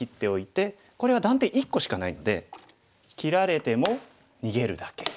これは断点１個しかないので切られても逃げるだけ。